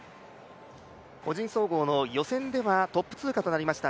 個人総合の予選ではトップ通過となりました